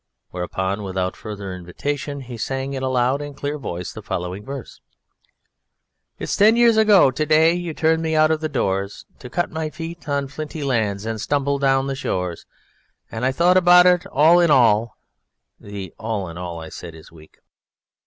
Whereupon without further invitation he sang in a loud and clear voice the following verse: _It's ten years ago to day you turned me out of doors To cut my feet on flinty lands and stumble down the shores. And I thought about the all in all ..._ "The 'all in all,'" I said, "is weak."